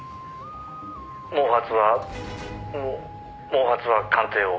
「毛髪はもう毛髪は鑑定を」